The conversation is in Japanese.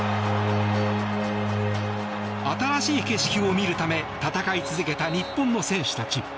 新しい景色を見るため戦い続けた日本の選手たち。